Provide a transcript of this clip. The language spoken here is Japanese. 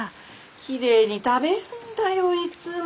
きれいに食べるんだよいつも。